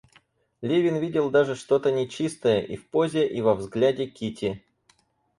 Левин видел даже что-то нечистое и в позе и во взгляде Кити.